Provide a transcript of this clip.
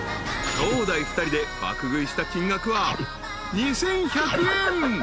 ［兄弟２人で爆食いした金額は２，１００円］